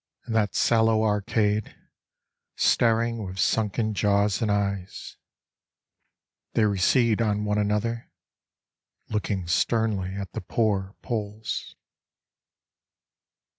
In that sallow arcade staring with sunken jaws and eyes. They recede on one another looking sternly at the poor polls.